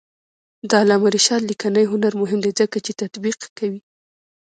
د علامه رشاد لیکنی هنر مهم دی ځکه چې تطبیق کوي.